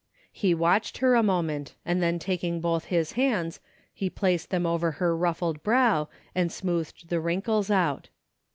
He watched her a mo ment, and then taking both his hands he placed them over her ruffled brow and smoothed the wrinkles out.